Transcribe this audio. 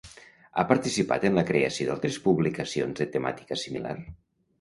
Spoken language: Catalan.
Ha participat en la creació d'altres publicacions de temàtica similar?